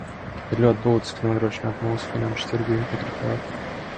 Ir ļoti būtiski nodrošināt mūsu finanšu tirgu integritāti.